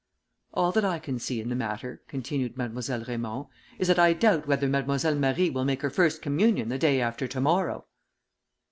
"All that I can see in the matter," continued Mademoiselle Raymond, "is that I doubt whether Mademoiselle Marie will make her first communion the day after to morrow."